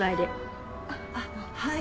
あっはい。